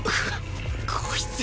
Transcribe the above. こいつ！